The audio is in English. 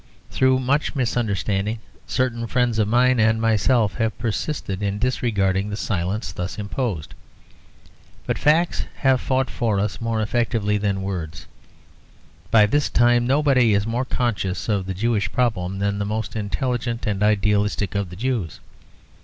Through much misunderstanding certain friends of mine and myself have persisted in disregarding the silence thus imposed; but facts have fought for us more effectively than words. By this time nobody is more conscious of the Jewish problem than the most intelligent and idealistic of the Jews.